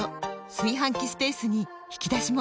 炊飯器スペースに引き出しも！